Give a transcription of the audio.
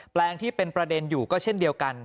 แปลงที่เป็นประเด็นอยู่ก็เช่นเดียวกัน